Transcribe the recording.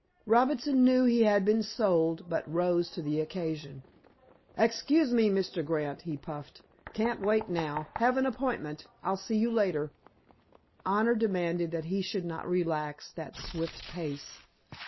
Robinson knew he had been "sold," but rose to the occasion. "Excuse me, Mr. Grant," he puffed. "Can't wait now. Have an appointment. I'll see you later." Honor demanded that he should not relax that swift pace.